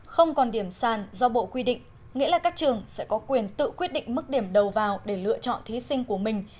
không còn điểm sàn do bộ quy định nghĩa là các trường sẽ có quyền tự quyết định mức điểm đầu vào để lựa chọn thí sinh của mình